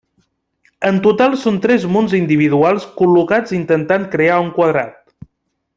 En total són tres munts individuals col·locats intentant crear un quadrat.